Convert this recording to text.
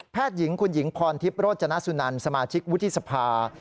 หญิงคุณหญิงพรทิพย์โรจนสุนันสมาชิกวุฒิสภา